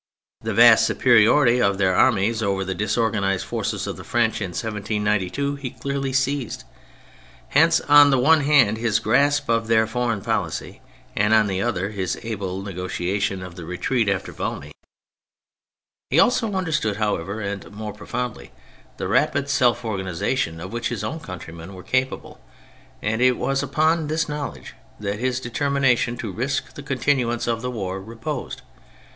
The vast superiority of their armies over the disorganised forces of the French in 1792 he clearly seized : hence on the one hand his grasp of their foreign policy, and on the other his able negotiation of the retreat after Valmy. 70 THE FRENCH REVOLUTION He also understood, however, and more pro foundly, the rapid self organisation of which his own countrymen were capable, and it was upon this knowledge that his determination to risk the continuance of the war reposed.